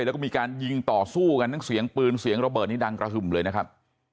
แล้วก็มีการยิงต่อสู้กันทั้งเสียงปืนเสียงระเบิดนี้ดังกระหึ่มเลยนะครับ